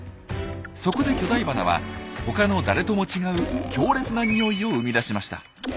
そこで巨大花は他の誰とも違う強烈な匂いを生み出しました。